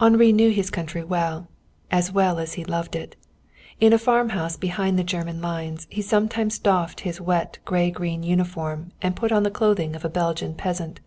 Henri knew his country well, as well as he loved it. In a farmhouse behind the German lines he sometimes doffed his wet gray green uniform and put on the clothing of a Belgian peasant.